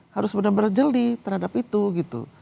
harus benar benar jeli terhadap itu gitu